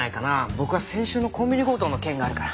僕は先週のコンビニ強盗の件があるから。